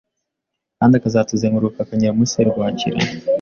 Kandi akatuzenguruka akanyura muri serwakira